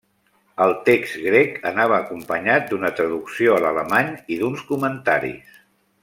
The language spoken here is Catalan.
El text grec anava acompanyat d'una traducció a l'alemany i d'uns comentaris.